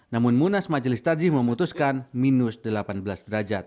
namun munas majelis tajih memutuskan minus delapan belas derajat